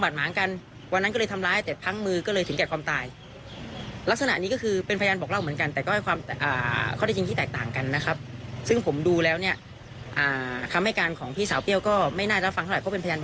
ส่วนข้อหาที่บอกว่าค่าด้วยไต่ตรองนี้นะคะ